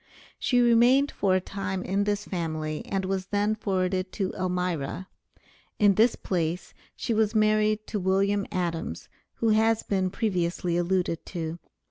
She remained for a time in this family, and was then forwarded to Elmira. In this place she was married to William Adams, who has been previously alluded to.